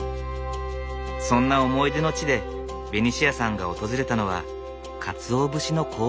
そんな思い出の地でベニシアさんが訪れたのはかつお節の工場。